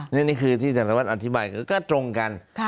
นี่คือที่สารวัตรอธิบายก็ตรงกัน